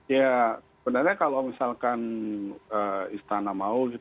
ya sebenarnya kalau misalkan istana mau